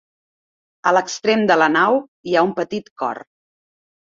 A l'extrem de la nau hi ha un petit cor.